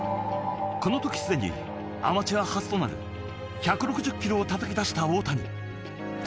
このときすでにアマチュア初となる１５０キロをたたき出した大谷。